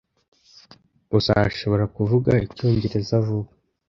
Uzashobora kuvuga icyongereza vuba.